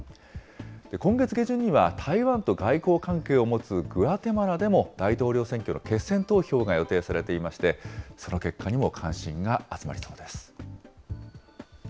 今月下旬には、台湾と外交関係を持つグアテマラでも大統領選挙の決選投票が予定されていまして、その結果にも関心が集まりそうです。